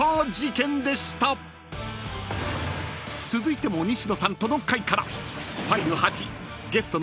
［続いても西野さんとの回から］